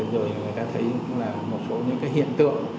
được rồi người ta thấy cũng là một số những cái hiện tượng